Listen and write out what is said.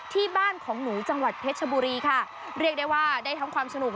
ที่บ้านของหนูจังหวัดเพชรชบุรีค่ะเรียกได้ว่าได้ทั้งความสนุก